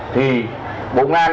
thì bộ công an